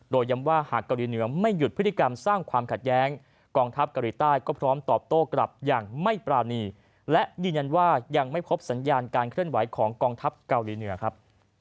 โดยย้ำว่าหากเกาหลีเหนือไม่หยุดพฤติกรรมสร้างความขัดแย้งกองทัพเกาหลีใต้ก็พร้อมตอบโต้กลับอย่างไม่ปรานีและยืนยันว่ายังไม่พบสัญญาณการเคลื่อนไหวของกองทัพเกาหลีเหนือครับ